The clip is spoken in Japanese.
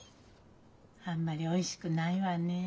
あんまりおいしくないわねえ。